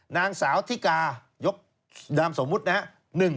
นางสาวทิกายกนามสมมุตินะครับ